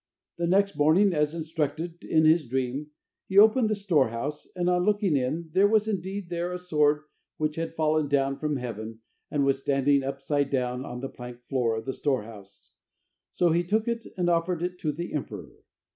The next morning, as instructed in his dream, he opened the storehouse, and on looking in, there was indeed there a sword which had fallen down (from heaven) and was standing upside down on the plank floor of the storehouse. So he took it and offered it to the emperor.